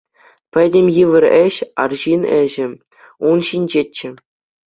Пӗтӗм йывӑр ĕç, арҫын ĕçĕ, ун ҫинчеччӗ.